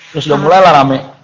terus udah mulai lah rame